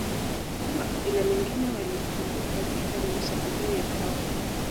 Makabila mengine walikumbuka vita na mashambulio ya awali